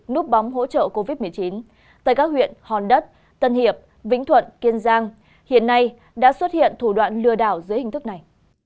núp bóng hỗ trợ covid một mươi chín tại các huyện hòn đất tân hiệp vĩnh thuận kiên giang hiện nay đã xuất hiện thủ đoạn lừa đảo dưới hình thức này